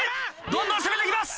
どんどん攻めて来ます。